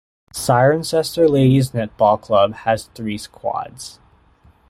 Cirencester Ladies Netball Club has three squads.